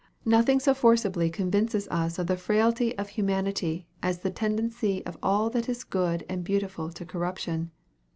Nothing so forcibly convinces us of the frailty of humanity as the tendency of all that is good and beautiful to corruption.